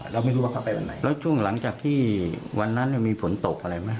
เราไม่รู้ว่าเขาไปวันไหนแล้วช่วงหลังจากที่วันนั้นมีฝนตกอะไรไหม